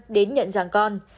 đến nhận rằng con